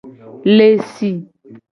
Le si.